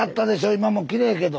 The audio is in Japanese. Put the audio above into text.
今もきれいやけど。